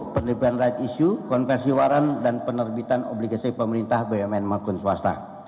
penelitian right issue konversi waran dan penerbitan obligasi pemerintah bumn maupun swasta